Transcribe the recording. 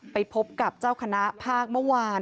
ไปพบกับเจ้าคณะภาคเมื่อวาน